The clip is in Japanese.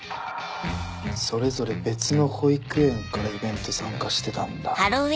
それぞれ別の保育園からイベント参加してたんだ。